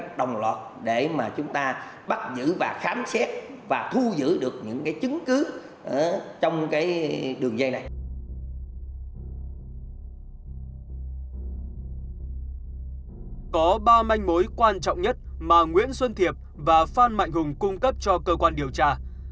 có ba manh mối quan trọng nhất mà nguyễn xuân thiệp và phan mạnh hùng cung cấp cho cơ quan điều tra